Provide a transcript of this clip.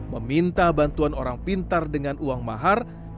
meminta bantuan orang pintar dengan uang mahar